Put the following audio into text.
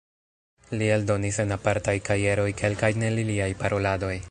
Li eldonis en apartaj kajeroj kelkajn el liaj paroladoj.